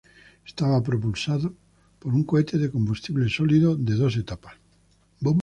Estaba propulsado por un cohete de combustible sólido de dos etapas.